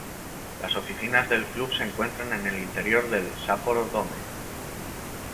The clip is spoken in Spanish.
Las oficinas del club se encuentran en el interior del Sapporo Dome.